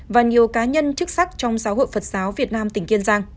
và nhiều cá nhân chức sắc trong giáo hội phật giáo việt nam tỉnh kiên giang